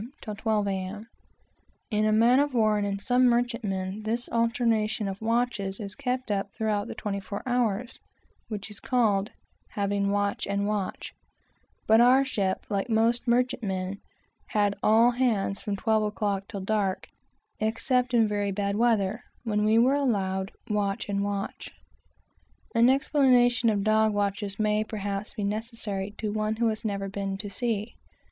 till twelve, M. In a man of war, and in some merchantmen, this alteration of watches is kept up throughout the twenty four hours; but our ship, like most merchantmen, had "all hands" from twelve o'clock till dark, except in bad weather, when we had "watch and watch." An explanation of the "dog watches" may, perhaps, be of use to one who has never been at sea.